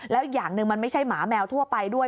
แล้วอีกอย่างหนึ่งมันไม่ใช่หมาแมวทั่วไปด้วย